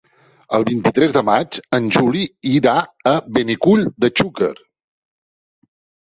El vint-i-tres de maig en Juli irà a Benicull de Xúquer.